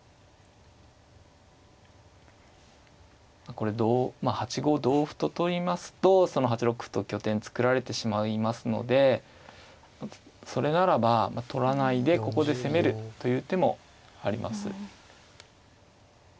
これ８五同歩と取りますとその８六歩と拠点作られてしまいますのでそれならば取らないでここで攻めるという手もあります。